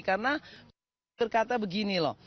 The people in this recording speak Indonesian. karena terkata begini loh